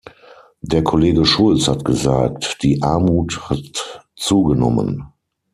Der Kollege Schulz hat gesagt, die Armut hat zugenommen.